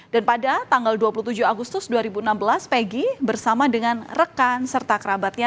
dan pada tanggal dua puluh tujuh agustus dua ribu enam belas peggy bersama dengan rekan serta kerabatnya